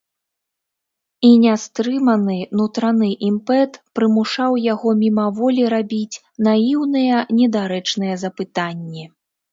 І нястрыманы нутраны імпэт прымушаў яго мімаволі рабіць наіўныя недарэчныя запытанні.